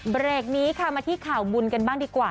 เบรกนี้ค่ะมาที่ข่าวบุญกันบ้างดีกว่า